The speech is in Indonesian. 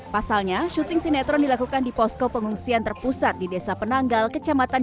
pasalnya syuting sinetron dilakukan di posko pengungsian terpusat di desa penanggal kecamatan